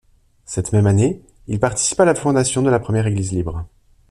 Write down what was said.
Cette même année, il participe à la fondation de la première Église libre.